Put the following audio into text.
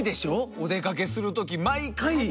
お出かけする時毎回。